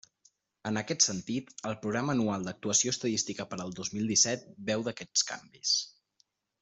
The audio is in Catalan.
En aquest sentit, el Programa anual d'actuació estadística per al dos mil disset beu d'aquests canvis.